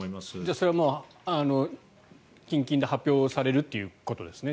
それは近々で発表されるということですね。